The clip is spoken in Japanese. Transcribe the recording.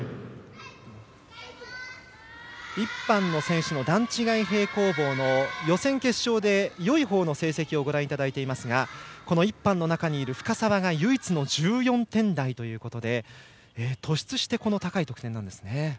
１班の選手の段違い平行棒の予選、決勝でよい方の成績をご覧いただいていますが１班の中にいる深沢が唯一の１４点台ということで突出して高い得点なんですね。